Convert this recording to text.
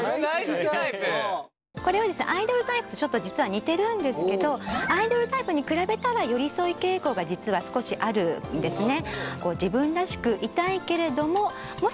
これはですねアイドルタイプとちょっと実は似てるんですけどアイドルタイプに比べたら寄り添い傾向が実は少しあるんですね。